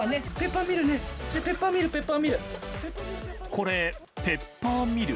これ、ペッパーミル？